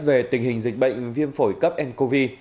về tình hình dịch bệnh viêm phổi cấp ncov